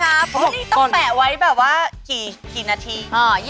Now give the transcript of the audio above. เพราะนี่ต้องแปะไว้แบบว่ากี่นาที